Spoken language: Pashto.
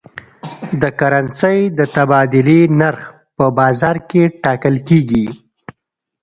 د کرنسۍ د تبادلې نرخ په بازار کې ټاکل کېږي.